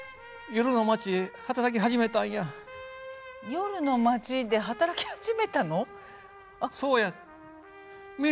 夜の街で働き始めたの？